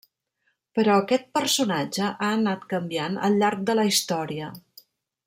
Però aquest personatge ha anat canviant al llarg de la història.